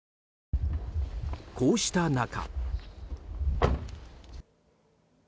こうした中。